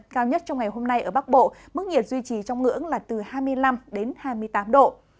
cao nhất trong ngày hôm nay ở bắc bộ mức nhiệt duy trì trong ngưỡng là từ hai mươi năm đến hai mươi tám độ